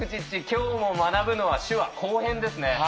今日も学ぶのは手話後編ですね。